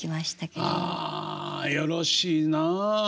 ああよろしいなあ。